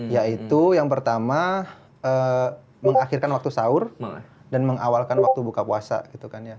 yaitu yang pertama mengakhirkan waktu sahur dan mengawalkan waktu buka puasa